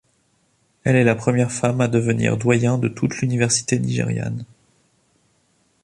Elle est la première femme à devenir doyen de toute l'université nigériane.